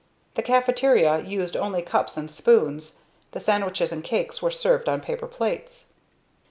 The caffeteria used only cups and spoons; the sandwiches and cakes were served on paper plates.